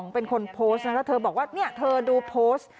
เป็นคนโพสต์นะแล้วเธอบอกว่าเนี่ยเธอดูโพสต์